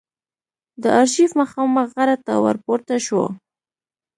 د آرشیف مخامخ غره ته ور پورته شوو.